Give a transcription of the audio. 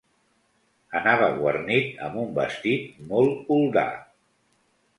Anava guarnit amb un vestit molt oldà.